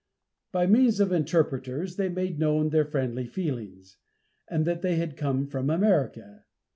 By means of interpreters they made known their friendly feelings, and that they had come from America.